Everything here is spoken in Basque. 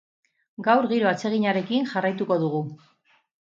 Gaur giro atseginarekin jarraituko dugu.